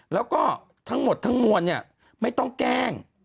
แล้วก็ทั้งหมดทั้งมวลเนี่ยไม่ต้องแกล้ง